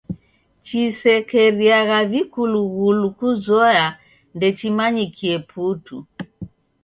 Chishekeriagha vikulughulu kuzoya ndechimanyikie putu.